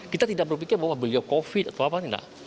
kita tidak berpikir bahwa beliau covid atau apa tidak